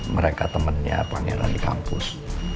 mereka temannya pangeran di kampus